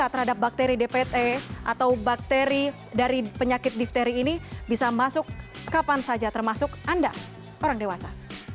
terhadap bakteri dpt atau bakteri dari penyakit difteri ini bisa masuk kapan saja termasuk anda orang dewasa